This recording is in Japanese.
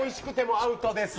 アウトですよ。